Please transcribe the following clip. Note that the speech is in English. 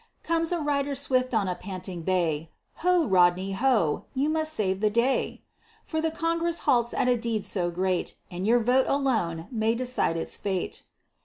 Comes a rider swift on a panting bay: "Ho, Rodney, ho! you must save the day, For the Congress halts at a deed so great, And your vote alone may decide its fate."